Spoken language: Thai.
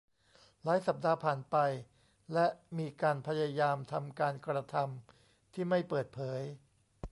หลายสัปดาห์ผ่านไป และมีการพยายามทำการกระทำที่ไม่เปิดเผย